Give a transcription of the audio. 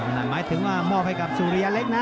นั่นหมายถึงว่ามอบให้กับสุริยะเล็กนะ